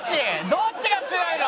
どっちが強いの？